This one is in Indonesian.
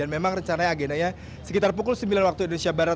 memang rencananya agendanya sekitar pukul sembilan waktu indonesia barat